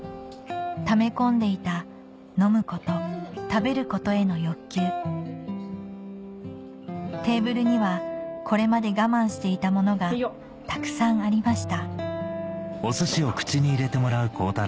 ため込んでいた飲むこと食べることへの欲求テーブルにはこれまで我慢していたものがたくさんありました